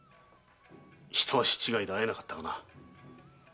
一足違いで会えなかったがな。